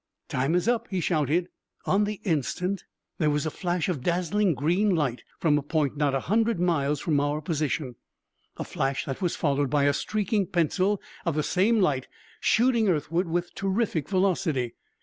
"Time is up!" he shouted. On the instant there was a flash of dazzling green light from a point not a hundred miles from our position, a flash that was followed by a streaking pencil of the same light shooting earthward with terrific velocity.